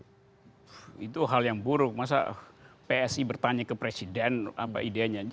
itu hal yang buruk masa psi bertanya ke presiden apa idenya